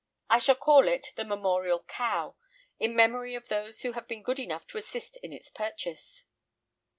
I shall call it "the Memorial Cow," in memory of those who have been good enough to assist in its purchase.